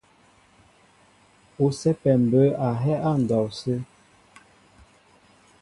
Ú sɛ́pɛ mbə̌ a hɛ́ á ndɔw sə́.